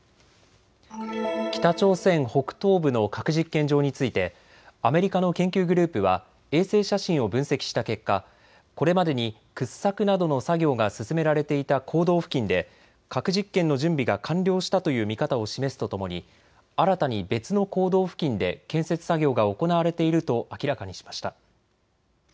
北朝鮮北東部の核実験場についてアメリカの研究グループは衛星写真を分析した結果、これまでに掘削などの作業が進められていた坑道付近で核実験の準備が完了したという見方を示すとともに新たに別の坑道付近で建設作業が行われていると明らかにしました。